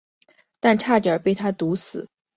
但差点被他毒死。